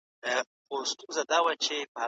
نور سازمانونه د دولت د سياست تابع دي.